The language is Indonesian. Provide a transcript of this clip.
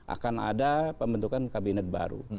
akan ada pembentukan kabinet baru